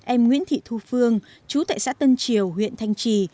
em nguyễn thị thu phương chú tại xã tân triều huyện thanh trì